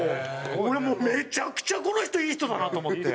俺もうめちゃくちゃこの人いい人だなと思って。